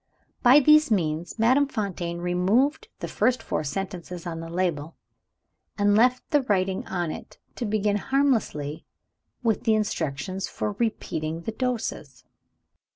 By these means, Madame Fontaine removed the first four sentences on the label, and left the writing on it to begin harmlessly with the instructions for repeating the doses.